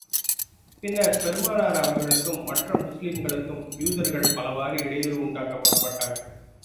பின்னர், பெருமானார் அவர்களுக்கும், மற்ற முஸ்லிம்களுக்கும் யூதர்கள் பலவாறு இடையூறு உண்டாக்க முற்பட்டார்கள்.